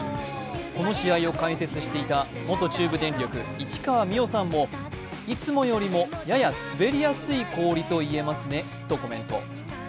この試合を解説していた元中部電力・市川美余さんもいつもよりもやや滑りやすい氷と言えますねとコメント。